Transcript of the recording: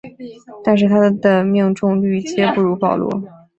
但是它们的命中率皆不如保罗。